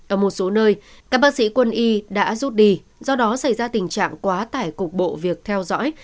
ở một số nơi các bác sĩ quân y đã rút đi do đó xảy ra tình trạng quá tải cục bộ việc theo dõi